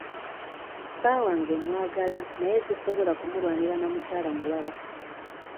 Bba wange mwagala naye sisobola kumulwanira na mukyala mulala.